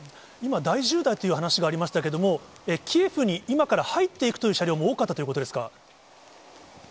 今、大渋滞という話がありましたけれども、キエフに今から入っていくという車両も多かったということですか？